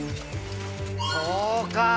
そうか！